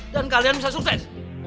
dan kalian bisa sukses